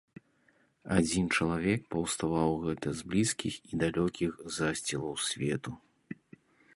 Адзін чалавек паўставаў гэта з блізкіх і далёкіх засцілаў свету!